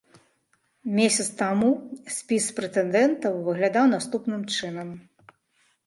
Месяц таму спіс прэтэндэнтаў выглядаў наступным чынам.